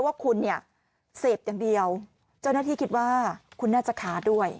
ว่าคุณเนี่ยเสพอย่างเดียวเจ้าหน้าที่คิดว่าคุณน่าจะขาด้วย